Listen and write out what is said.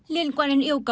liên quan đến yêu cầu